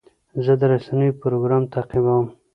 زه د رسنیو پروګرام تعقیبوم.